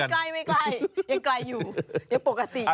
ไม่ใกล้ยังใกล้อยู่ยังปกติอยู่